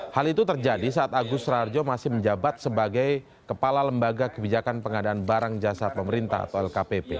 hal itu terjadi saat agus rarjo masih menjabat sebagai kepala lembaga kebijakan pengadaan barang jasa pemerintah atau lkpp